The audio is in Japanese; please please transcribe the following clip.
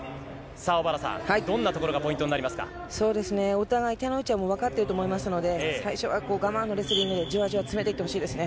小原さん、どんなところがポインそうですね、お互い手の内はもう分かっていると思いますので、最初は我慢のレスリングで、じわじわ詰めていってほしいですね。